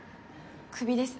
クビです。